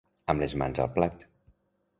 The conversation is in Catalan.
Amb les mans al plat.